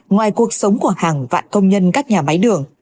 ngoài cuộc sống của hàng vạn công nhân các nhà máy đường